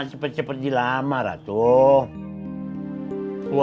cepat cepat dilamar atukum